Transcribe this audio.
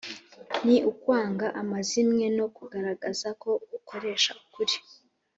ni ukwanga amazimwe no kugaragaza ko ukoresha ukuri.